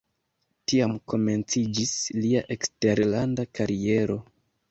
Tiam komenciĝis lia eksterlanda kariero.